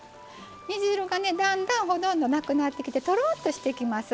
煮汁がねだんだんほとんどなくなってきてとろっとしてきます。